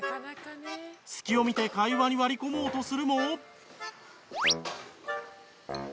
隙を見て会話に割り込もうとするも。